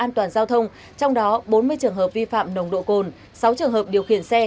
trong đó bốn mươi trường hợp vi phạm nồng độ cồn sáu trường hợp điều khiển xe